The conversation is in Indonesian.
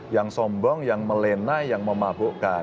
yang sombong yang melena yang memabukkan